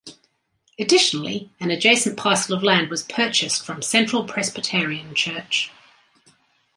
Additionally, an adjacent parcel of land was purchased from Central Presbyterian Church.